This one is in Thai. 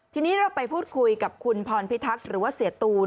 ทีนี้เราไปพูดคุยกับคุณพรพิทักษ์หรือว่าเสียตูน